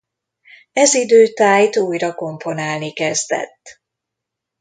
Ez idő tájt újra komponálni kezdett.